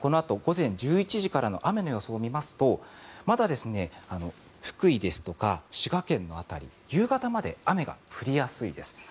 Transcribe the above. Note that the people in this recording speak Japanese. このあと、午前１１時からの雨の予想を見ますとまだ福井ですとか滋賀県の辺りは夕方まで雨が降りやすいです。